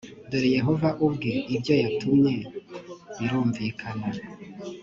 dore yehova ubwe ibyo yatumye birumvikana